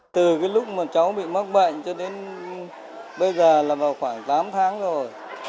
từ lúc cháu bị mắc bệnh cho đến bây giờ là khoảng tám tháng rồi